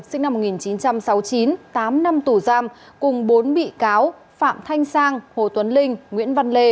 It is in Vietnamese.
sinh năm một nghìn chín trăm sáu mươi chín tám năm tù giam cùng bốn bị cáo phạm thanh sang hồ tuấn linh nguyễn văn lê